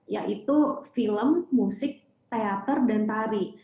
yaitu film musik teater dan tari